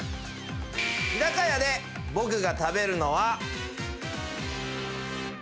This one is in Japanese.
日高屋で僕が食べるのは。